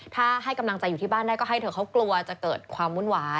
ถ้าให้กำลังใจอยู่ที่บ้านได้ก็ให้เถอะเขากลัวจะเกิดความวุ่นวาย